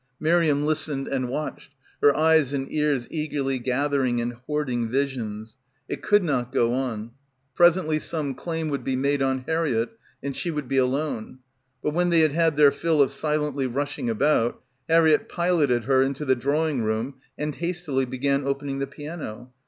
Miriam listened and watched, her eyes and ears eagerly gathering and hoarding visions. It could not go on. Presently some claim would be made on Harriett and she would be alone. But when they had had their fill of silently rushing about, Harriett piloted her into the drawing room and hastily began opening the piano.